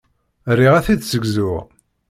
Riɣ ad t-id-ssegzuɣ.